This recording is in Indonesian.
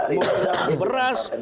mau bela beras